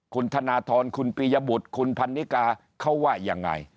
คุณธนทรคุณปียบุตรคุณพันนิกาเขาว่ายังไง